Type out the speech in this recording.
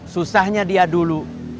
susahnya dia dulu